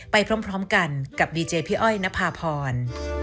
ไปพร้อมกันกับดีเจพี่อ้อยนภาพร